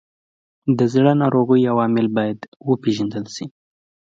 د زړه ناروغیو عوامل باید وپیژندل شي.